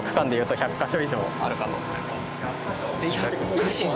１００カ所。